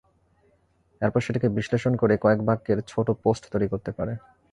এরপর সেটিকে বিশ্লেষণ করে কয়েক বাক্যের ছোট পোস্ট তৈরি করতে পারে।